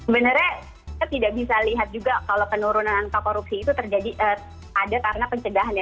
benarnya kita tidak bisa lihat juga kalau penurunan angka korupsi itu terjadi ada karena pencegahan ya